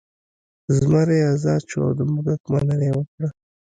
زمری ازاد شو او د موږک مننه یې وکړه.